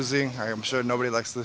saya yakin tidak ada yang suka kalah juga